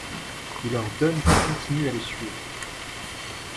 Il ordonne qu'on continue à le suivre.